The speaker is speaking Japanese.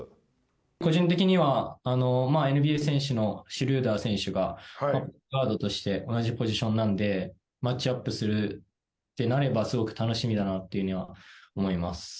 個人的にはＮＢＡ選手のシュルーダー選手がポイントガードとして同じポジションなのでマッチアップするってなればすごく楽しみだなというふうには思います。